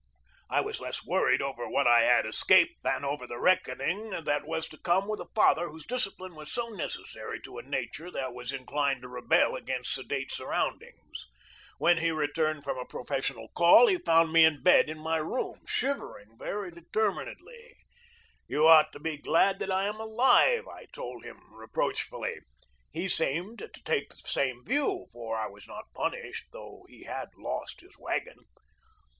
I was less worried over what I had escaped than over the reckoning that THE BIRTHPLACE OF ADMIRAL DEWEY AT MONTPELIER, VERMONT THE SCHOOL HOUSE AT MONTPELIER EARLY YEARS 7 was to come with a father whose discipline was so necessary to a nature that was inclined to rebel against sedate surroundings. When he returned from a professional call he found me in bed in my room, shivering very determinedly. "You ought to be glad that I am alive I" I told him reproachfully. He seemed to take the same view, for I was not punished, though he had lost his wagon.